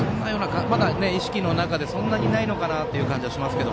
まだ意識の中で、そんなにないのかなという感じがします。